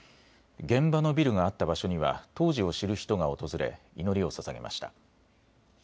現場のビルがあった場所には、当時を知る人が訪れ、祈りをささげました。